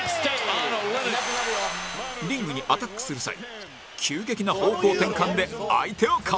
リングにアタックする際急激な方向転換で相手をかわす